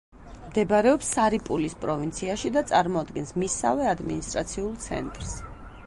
მდებარეობს სარიპულის პროვინციაში და წარმოადგენს მისსავე ადმინისტრაციულ ცენტრს.